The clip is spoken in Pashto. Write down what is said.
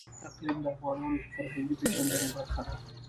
اقلیم د افغانانو د فرهنګي پیژندنې برخه ده.